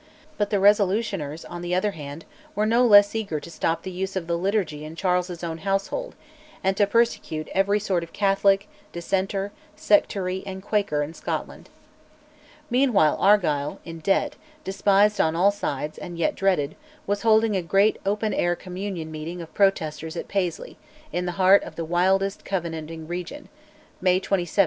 But the Resolutioners, on the other hand, were no less eager to stop the use of the liturgy in Charles's own household, and to persecute every sort of Catholic, Dissenter, Sectary, and Quaker in Scotland. Meanwhile Argyll, in debt, despised on all sides, and yet dreaded, was holding a great open air Communion meeting of Protesters at Paisley, in the heart of the wildest Covenanting region (May 27, 1660).